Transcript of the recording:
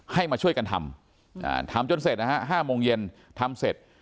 มาช่วยกันทำทำจนเสร็จนะฮะ๕โมงเย็นทำเสร็จ